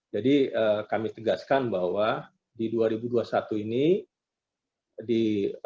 jadi kami tegaskan bahwa di dua ribu dua puluh satu ini